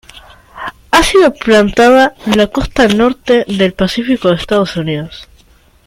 Ha sido plantada en la costa norte del Pacífico de Estados Unidos.